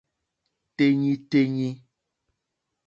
Téɲítéɲí.